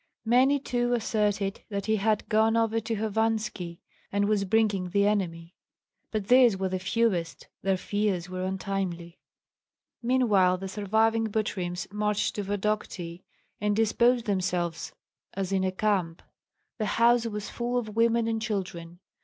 Many too asserted that he had gone over to Hovanski and was bringing the enemy; but these were the fewest, their fears were untimely. Meanwhile the surviving Butryms marched to Vodokty, and disposed themselves as in a camp. The house was full of women and children.